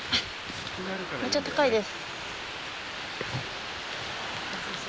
めちゃ高いです。